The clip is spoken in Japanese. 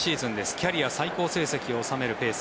キャリア最高成績を収めるペース。